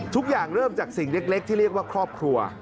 ทุกอย่างเริ่มจากสิ่งเล็กที่เรียกว่าครอบครัว